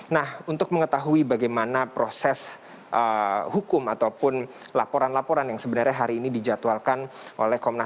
nah untuk mengetahui bagaimana proses hukum ataupun laporan laporan yang sebenarnya hari ini dijadwalkan oleh komnas ham